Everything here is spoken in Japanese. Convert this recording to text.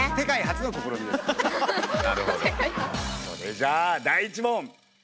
それじゃ第１問！